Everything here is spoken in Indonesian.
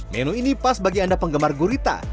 menu ini pas bagi anda penggemar gurita